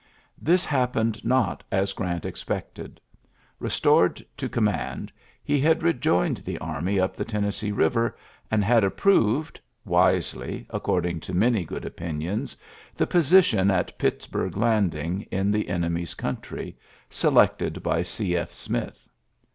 This happened not as Grant expected. Be stored to command, he had rejoined the army up the Tennessee Eiver, and had approved — wisely, according to many good opinions — the position at Pittsburg Landing in the enemy's country, selected by C. F. Smith.